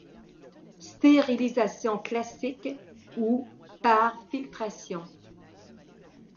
Stérilisation classique ou par filtration.